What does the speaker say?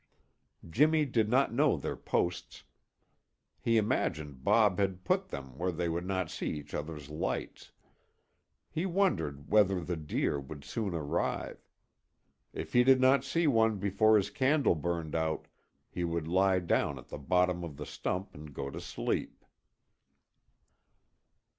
Jimmy did not know their posts; he imagined Bob had put them where they would not see each other's lights. He wondered whether the deer would soon arrive. If he did not see one before his candle burned out, he would lie down at the bottom of the stump and go to sleep.